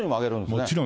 もちろん。